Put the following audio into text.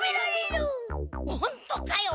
ほんとかよ！